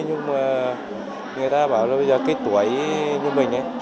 nhưng mà người ta bảo là bây giờ kết tuổi như mình